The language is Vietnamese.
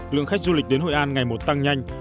lượng khách du lịch đến hội an ngày một tăng nhanh